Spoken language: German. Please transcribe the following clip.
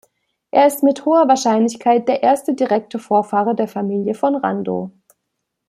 Er ist mit hoher Wahrscheinlichkeit der erste direkte Vorfahre der Familie von Randow.